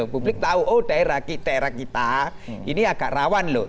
publik tahu oh daerah kita ini agak rawan loh